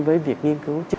với việc nghiên cứu